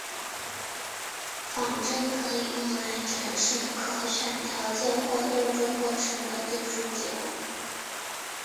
仿真可以用来展示可选条件或动作过程的最终结果。